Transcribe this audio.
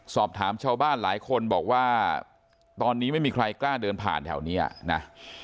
สอบถามชาวบ้านหลายคนบอกว่าตอนนี้ไม่มีใครกล้าเดินผ่านแถวนี้นะ